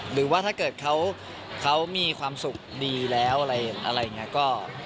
หรือว่าถ้าเกิดเขามีความสุขดีแล้วอะไรอย่างนี้